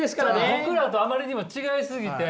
僕らとあまりにも違い過ぎて。